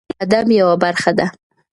شعر د ادب یوه برخه ده.